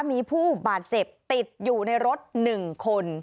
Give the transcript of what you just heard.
มีผู้บาดเจ็บติดอยู่ในรถ๑คน